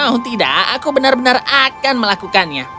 oh tidak aku benar benar akan melakukannya